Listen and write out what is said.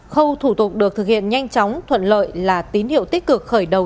khâu thủ tục được thực hiện nhanh chóng thuận lợi là tín hiệu tích cực khởi đầu